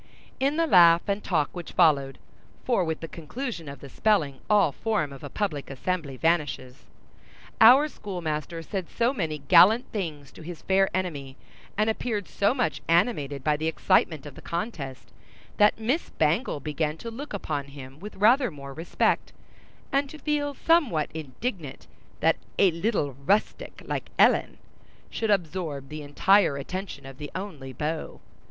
In the laugh and talk which followed (for with the conclusion of the spelling, all form of a public assembly vanishes), our schoolmaster said so many gallant things to his fair enemy, and appeared so much animated by the excitement of the contest, that Miss Bangle began to look upon him with rather more respect, and to feel somewhat indignant that a little rustic like Ellen should absorb the entire attention of the only beau.